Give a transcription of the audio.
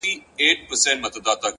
لوړ فکر لوی بدلونونه راولي.